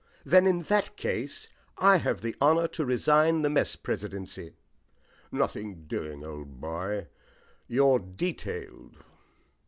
"Then, in that case, I have the honour to resign the mess presidency." "Nothing doing, old boy. You're detailed."